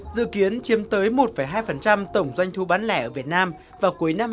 dự kiến chiếm tới một hai tổng doanh thu bán lẻ ở việt nam vào cuối năm hai nghìn hai mươi